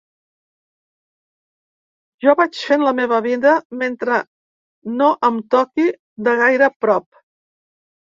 Jo vaig fent la meva vida mentre no em toqui de gaire prop.